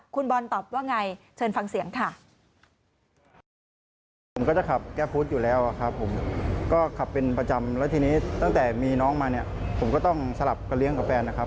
คุณบอนตอบว่าอย่างไรเชิญฟังเสียงค่ะ